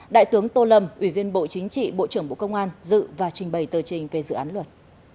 đại tướng tô lâm ủy viên bộ chính trị bộ trưởng bộ công an dự và trình bày tờ trình về dự án luật